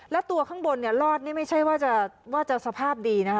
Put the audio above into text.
แล้วตัวข้างบนเนี่ยรอดนี่ไม่ใช่ว่าจะสภาพดีนะคะ